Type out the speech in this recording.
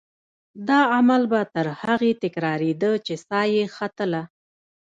دا عمل به تر هغې تکرارېده چې سا یې ختله.